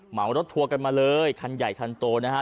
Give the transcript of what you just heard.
เหมารถทัวร์กันมาเลยคันใหญ่คันโตนะฮะ